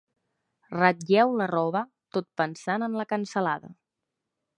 Ratlleu la roba tot pensant en la cansalada.